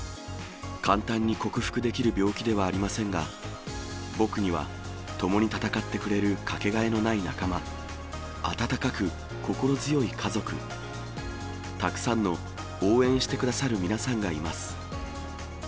簡単に克服できる病気ではありませんが、僕には共に戦ってくれるかけがえのない仲間、温かく心強い家族、たくさんの応援してくださる皆さんがいます。